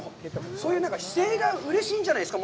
そういう姿勢がうれしいんじゃないですか。